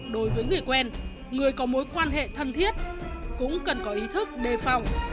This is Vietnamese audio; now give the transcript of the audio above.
đối với người quen người có mối quan hệ thân thiết cũng cần có ý thức đề phòng